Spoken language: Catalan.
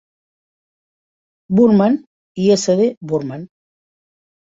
Burman i S. D. Burman.